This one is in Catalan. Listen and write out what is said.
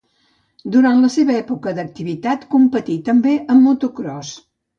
Durant la seva època d'activitat, competí també en motocròs.